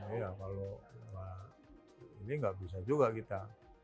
iya kalau ini nggak bisa juga kita